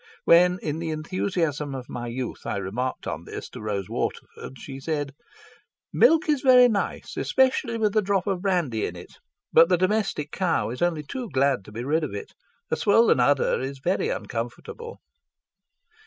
When, in the enthusiasm of my youth, I remarked on this to Rose Waterford, she said: "Milk is very nice, especially with a drop of brandy in it, but the domestic cow is only too glad to be rid of it. A swollen udder is very uncomfortable."